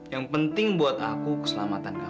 yang penting buat aku keselamatan kamu